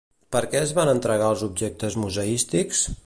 Per què es van entregar els objectes museístics?